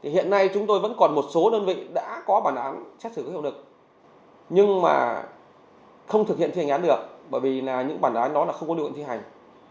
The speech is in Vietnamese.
hiện nay chúng tôi vẫn còn một số đơn vị đã có bản án xét xử có hiệu lực nhưng mà không thực hiện thi hành án được bởi vì là những bản án đó là không có điều kiện thi hành